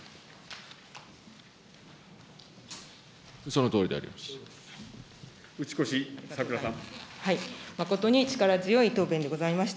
そのとおりであります。